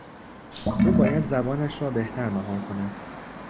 او باید زبانش را بهتر مهار کند.